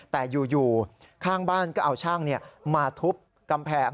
แต่อยู่ข้างบ้านก็เอาช่างมาทุบกำแพง